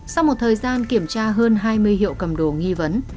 sau một thời gian kiểm tra hơn hai mươi hiệu cầm đồ nghi vấn